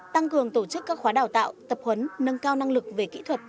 tăng cường tổ chức các khóa đào tạo tập huấn nâng cao năng lực về kỹ thuật